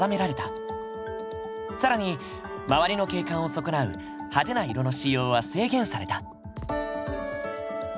更に周りの景観を損なう派手な色の使用は制限された。